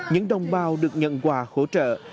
những đồng bào được nhận quà hỗ trợ